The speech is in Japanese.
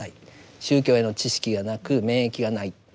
宗教への知識がなく免疫がない。